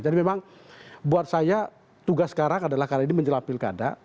jadi memang buat saya tugas sekarang adalah karena ini menjelapil kda